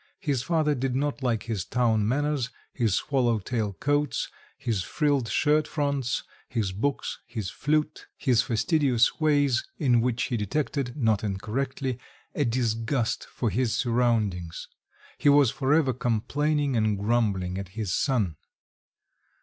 His father did not like his town manners, his swallow tail coats, his frilled shirt fronts, his books, his flute, his fastidious ways, in which he detected not incorrectly a disgust for his surroundings; he was for ever complaining and grumbling at his son.